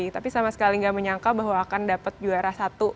tapi sama sekali nggak menyangka bahwa akan dapat juara satu